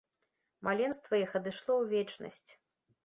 Маленства іх адышло ў вечнасць.